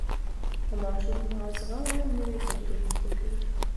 د ماشوم ماغزه نوي تجربې زده کوي.